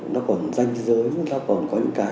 nó còn danh giới nó còn có những cái